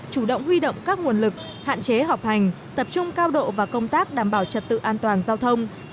chủ động huy động các nguồn lực hạn chế học hành tập trung cao độ và công tác đảm bảo trật tự an toàn giao thông